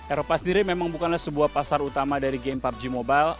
eropa sendiri memang bukanlah sebuah pasar utama dari game pubg mobile